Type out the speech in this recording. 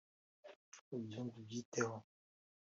ubyumve ubyite ho